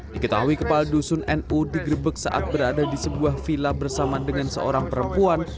diketahui kepala dusun nu digrebek saat berada di sebuah villa bersama dengan seorang perempuan